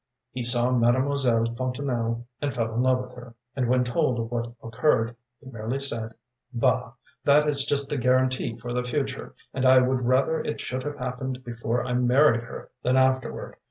He saw Mademoiselle Fontanelle and fell in love with her, and when told of what occurred, he merely said: “'Bah! That is just a guarantee for the future, and I would rather it should have happened before I married her than afterward.